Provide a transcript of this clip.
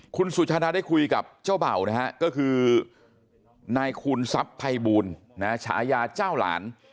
คุณสุชาดาได้คุยกับเจ้าเบ่านะฮะก็คือนายคูณทรัพย์ภัยบูลฉายาเจ้าหลาน